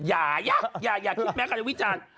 อย่าอย่าอย่าคิดแม้การวิจารณ์